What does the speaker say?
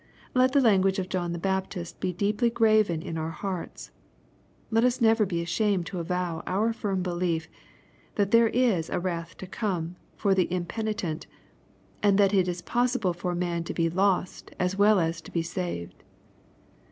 Let the language of John the Baptist be deeply graven in our hearts. Let us never be ashamed to avow our firm belief, that there is a " wrath to come" for the impeni tent, and that it is possible for a man to be lost as well. as to be saved.